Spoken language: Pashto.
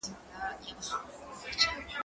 زه له سهاره خبري کوم!.